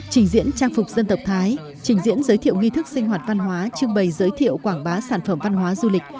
trình diễn trang phục dân tộc thái trình diễn giới thiệu nghi thức sinh hoạt văn hóa trưng bày giới thiệu quảng bá sản phẩm văn hóa du lịch